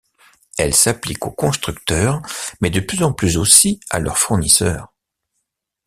Elle s'applique aux constructeurs, mais de plus en plus aussi à leurs fournisseurs.